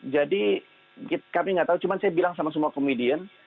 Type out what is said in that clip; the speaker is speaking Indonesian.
jadi kami nggak tahu cuma saya bilang sama semua komedian